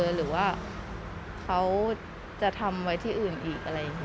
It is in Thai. หรือว่าเขาจะทำไว้ที่อื่นอีกอะไรอย่างนี้